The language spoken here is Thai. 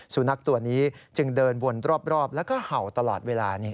สุนัขตัวนี้จึงเดินวนรอบแล้วก็เห่าตลอดเวลา